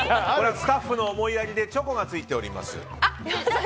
スタッフの思いやりでチョコがついております。